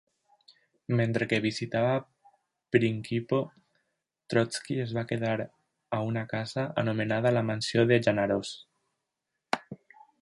Mentre que visitava Prinkipo, Trotsky es va quedar a una casa anomenada la mansió de Yanaros.